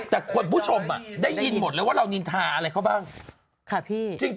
แต่คุณผู้ชมได้ยินหมดเลยว่าเรานินทาอะไรเขาบ้าง